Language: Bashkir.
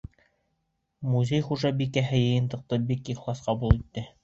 Музей хужабикәһе йыйынтыҡты бик ихлас ҡабул итте.